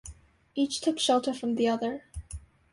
Each took shelter from the other.